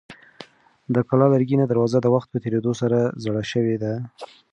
د کلا لرګینه دروازه د وخت په تېرېدو سره زړه شوې ده.